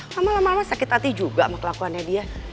lama lama sakit hati juga sama kelakuannya dia